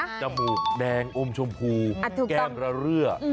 สมูแลจากหูแดงอมชมพูแก้มระเลือ